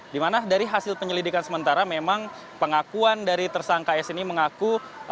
dimana dari hasil penyelidikan sementara memang pengakuan dari tersangka s ini mengaku